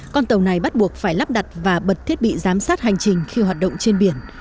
con tàu này bắt buộc phải lắp đặt và bật thiết bị giám sát hành trình khi hoạt động trên biển